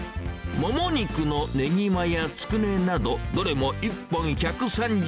もも肉のねぎまや、つくねなど、どれも１本１３０円。